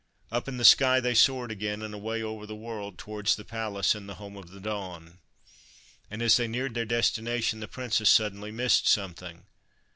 Up in the sky they soared again, and away over the world towards the palace in the Home of the Dawn. And, as they neared their destination, the Princess suddenly missed something.